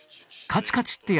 カチカチって。